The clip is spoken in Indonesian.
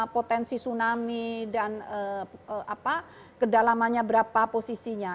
potensi tsunami dan kedalamannya berapa posisinya